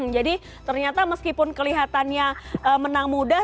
jadi ternyata meskipun kelihatannya menang mudah